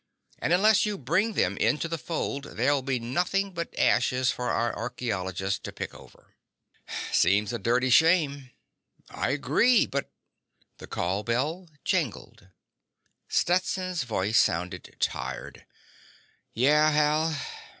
And unless you bring them into the fold, there'll be nothing but ashes for our archaeologists to pick over." "Seems a dirty shame." "I agree, but—" The call bell jangled. Stetson's voice sounded tired: "Yeah, Hal?"